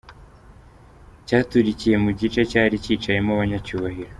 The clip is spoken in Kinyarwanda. Cyaturukiye mu gice cyari cyicayemo abanyacyubahiro.